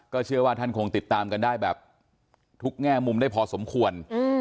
เชื่อว่าท่านคงติดตามกันได้แบบทุกแง่มุมได้พอสมควร